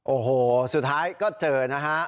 โอ้โหสุดท้ายก็เจอนะฮะ